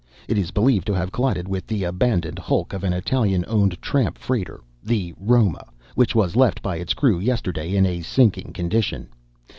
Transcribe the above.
It is believed to have collided with the abandoned hulk of an Italian owned tramp freighter, the Roma, which was left by its crew yesterday in a sinking condition.